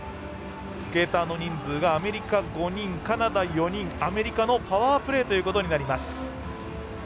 スケーターの人数がアメリカ５人カナダ４人、アメリカのパワープレーということになります。